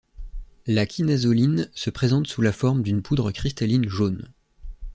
La quinazoline se présente sous la forme d'une poudre cristalline jaune.